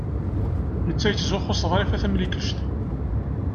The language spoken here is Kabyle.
Netta yettzuxxu s Ḍrifa Tamlikect.